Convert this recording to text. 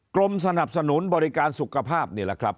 กรมสนับสนุนบริการสุขภาพนี่แหละครับ